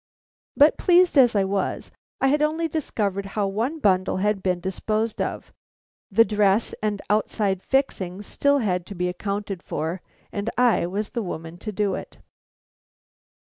But pleased as I was, I had only discovered how one bundle had been disposed of. The dress and outside fixings still had to be accounted for, and I was the woman to do it.